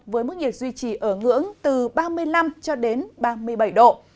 với mức nhiệt duy trì ở ngưỡng từ ba mươi năm ba mươi bảy độ